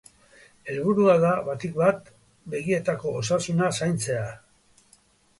Helburua da, batik bat, begietako osasuna zaintzea.